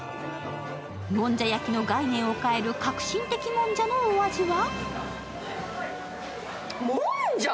もんじゃ焼きの概念を変える革新的もんじゃのお味は？